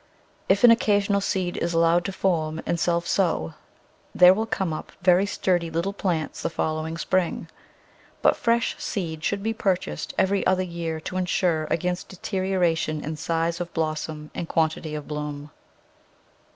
If an occasional seed is allowed to form and self sow there will come up very sturdy little plants the following spring, but fresh seed should be purchased every other year to insure against deterioration in size of blossom and quantity of bloom.